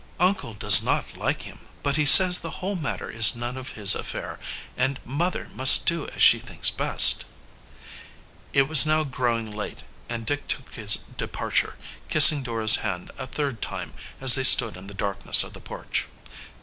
"Uncle does not like him, but he says the whole matter is none of his affair and mother must do as she thinks best." It was now growing late, and Dick took his departure, kissing Dora's hand a third time as they stood in the darkness of the porch.